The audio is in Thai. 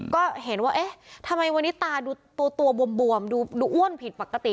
ก็เห็นว่าเอ๊ะทำไมวันนี้ตาดูตัวบวมดูอ้วนผิดปกติ